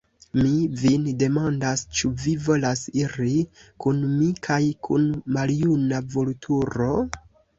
Mi vin demandas, ĉu vi volas iri kun mi kaj kun maljuna Vulturo?